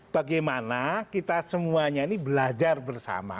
bagaimana kita semuanya ini belajar bersama